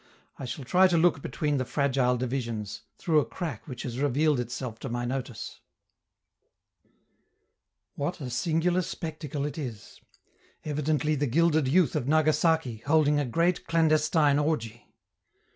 I shall try to look between the fragile divisions, through a crack which has revealed itself to my notice. What a singular spectacle it is; evidently the gilded youth of Nagasaki holding a great clandestine orgy!